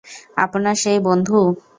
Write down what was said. আপনার সেই বন্ধু?